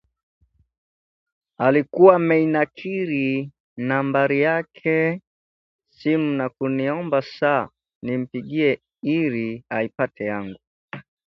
Alikuwa ameinakili nambari yake simu na kuniomba saa nimpigie ili aipate yangu